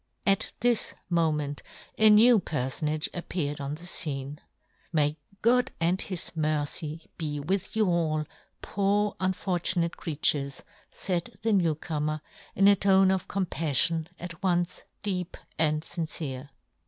At this moment a new perfonage ap peared on the fcene. " May God " and His mercy be with you all, " poor unfortunate creatures !" faid the new comer, in a tone of compaf fion at once deep and iincere.